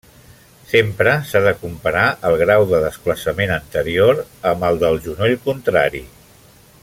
Sempre s'ha de comparar el grau de desplaçament anterior amb el del genoll contrari.